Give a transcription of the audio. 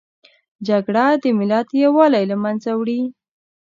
جګړه د ملت یووالي له منځه وړي